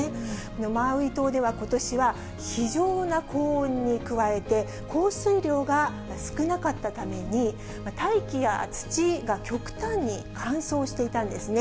マウイ島では、ことしは非常な高温に加えて、降水量が少なかったために、大気や土が極端に乾燥していたんですね。